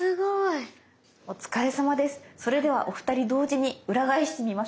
お疲れさまです。